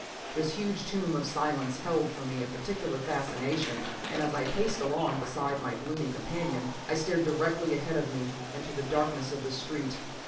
This huge tomb of silence held for me a peculiar fascination, and as I paced along beside my gloomy companion, I stared directly ahead of me into the darkness of the street.